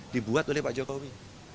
dibuat oleh pak jokowi